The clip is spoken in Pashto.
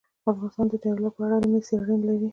افغانستان د جلګه په اړه علمي څېړنې لري.